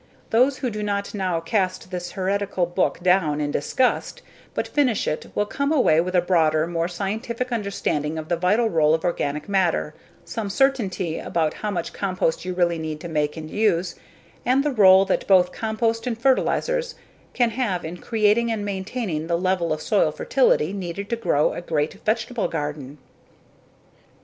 Those who do not now cast this heretical book down in disgust but finish it will come away with a broader, more scientific understanding of the vital role of organic matter, some certainty about how much compost you really need to make and use, and the role that both compost and fertilizers can have in creating and maintaining the level of soil fertility needed to grow a great vegetable garden.